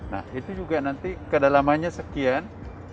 nah itu juga nanti kedalamannya sekian